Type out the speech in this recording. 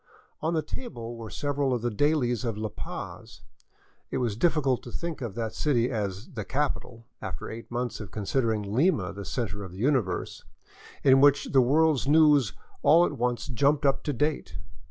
On the table were several of the dailies of La Paz — it was difficult to think of that city as " the capital " after eight months of considering Lima the center of the universe — in which the world's news all at once jumped up to date.